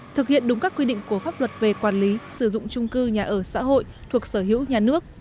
thực hiện đúng các quy định của pháp luật về quản lý sử dụng trung cư nhà ở xã hội thuộc sở hữu nhà nước